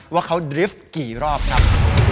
ว่าเขาดริฟต์กี่รอบครับ